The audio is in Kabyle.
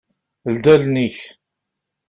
Ldi allen-ik!